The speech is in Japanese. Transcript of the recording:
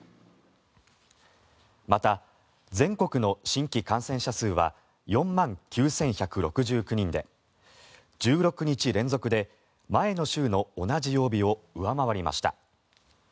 また、全国の新規感染者数は４万９１６９人で１６日連続で前の週の同じ曜日を上回りました。